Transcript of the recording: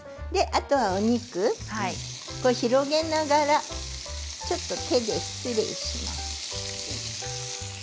あとはお肉、広げながらちょっと手で失礼します。